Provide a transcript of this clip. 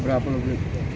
berapa lo blik